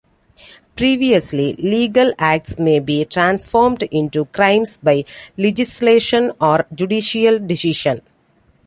Previously legal acts may be transformed into crimes by legislation or judicial decision.